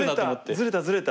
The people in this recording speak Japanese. ずれたずれた。